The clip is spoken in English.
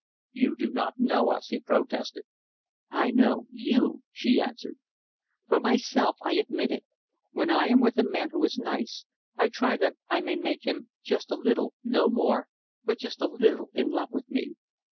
"You do not know us," he protested. "I know you," she answered. "For myself, I admit it. When I am with a man who is nice, I try that I may make him, just a little, no more, but just a little in love with me.